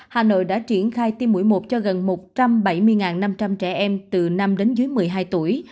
hà nội đã triển khai tiêm mũi một cho gần một trăm bảy mươi năm trăm linh trẻ em từ năm đến dưới một mươi hai tuổi